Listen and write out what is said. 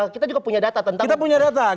kita juga punya data tentang